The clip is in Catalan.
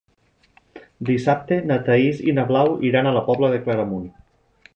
Dissabte na Thaís i na Blau iran a la Pobla de Claramunt.